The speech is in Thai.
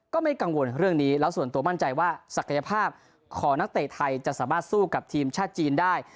ก็ไม่กังวลเรื่องนี้แล้วส่วนตัวมั่นใจว่าศักยภาพของนักเตะไทยจะสามารถสู้กับทีมชาติจีนได้